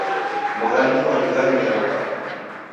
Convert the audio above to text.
Mghani wadighania lughano